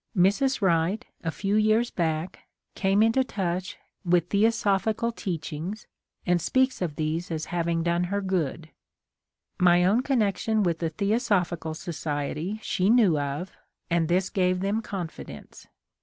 Mrs. Wright, a few years back, came into touch with theosoph ical teachings and speaks of these as hav ing done her good. My own connection with the Theosophical Society she knew of and this gave them confidence.